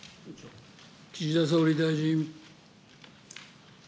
岸田総理大臣。